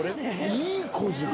いい子じゃん。